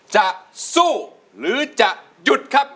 จะสู้หรือจะหยุดครับ